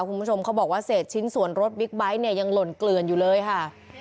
คุณผู้ชมเขาบอกว่าเศษชิ้นส่วนรถบิ๊กไบท์เนี่ยยังหล่นเกลือนอยู่เลยค่ะ